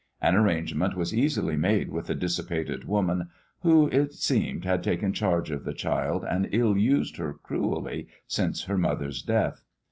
An arrangement was easily made with the dissipated woman who, it seemed, had taken charge of the child and ill used her cruelly since her mother's death.